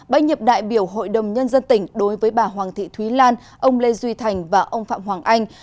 bãi nhiệm đại biểu hội đồng nhân dân tỉnh đối với bà hoàng thị thúy lan ông lê duy thành và ông phạm hoàng anh